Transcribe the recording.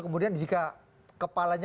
kemudian jika kepalanya